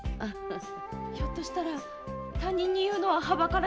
ひょっとしたら他人に言うのははばかられるほど変な？